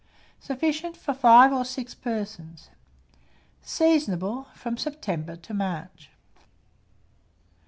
Sufficient for 5 or 6 persons. Seasonable from September to March.